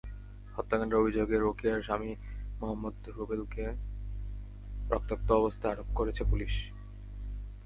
হত্যাকাণ্ডের অভিযোগে রোকেয়ার স্বামী মোহাম্মদ রুবেলকে রক্তাক্ত অবস্থায় আটক করেছে পুলিশ।